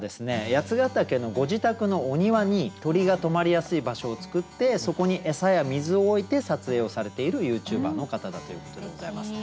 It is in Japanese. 八ヶ岳のご自宅のお庭に鳥が止まりやすい場所を作ってそこに餌や水を置いて撮影をされているＹｏｕＴｕｂｅｒの方だということでございます。